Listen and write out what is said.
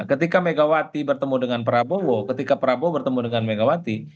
ketika megawati bertemu dengan prabowo ketika prabowo bertemu dengan megawati